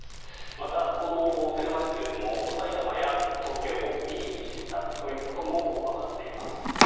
また、この車ですが埼玉や東京を行き来していたことも分かっています。